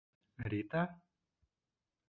Рита?